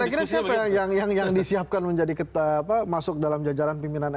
yang kira kira siapa yang yang yang disiapkan menjadi ketapa masuk dalam jajaran pimpinan